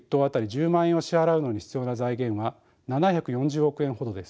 １０万円を支払うのに必要な財源は７４０億円ほどです。